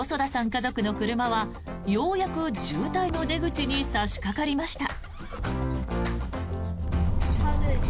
家族の車はようやく渋滞の出口に差しかかりました。